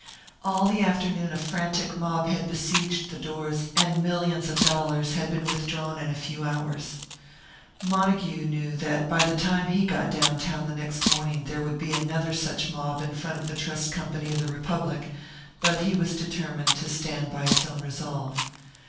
All the afternoon a frantic mob had besieged the doors, and millions of dollars had been withdrawn in a few hours. Montague knew that by the time he got down town the next morning there would be another such mob in front of the Trust Company of the Republic; but he was determined to stand by his own resolve.